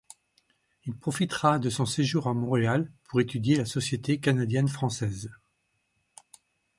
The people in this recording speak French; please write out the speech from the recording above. Il profitera de son séjour à Montréal pour étudier la société canadienne-française.